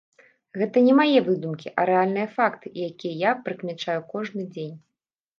Гэта не мае выдумкі, а рэальныя факты, якія я прыкмячаю кожны дзень.